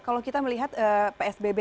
kalau kita melihat psbb